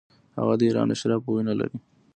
هغه د ایران اشرافو وینه لري.